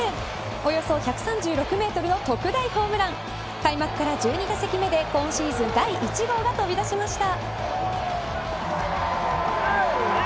およそ１３６メートルの特大ホームラン開幕から１２打席目で今シーズン第１号が飛び出しました。